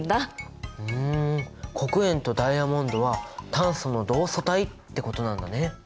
ふん黒鉛とダイヤモンドは炭素の同素体ってことなんだね。